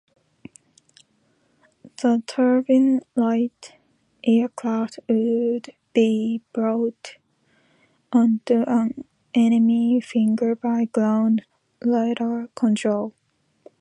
The Turbinlite aircraft would be brought onto an enemy fighter by ground radar control.